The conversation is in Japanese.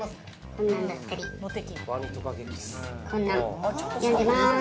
こんなん読んでまーす！